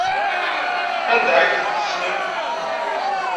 Anda ay tent-tessnem?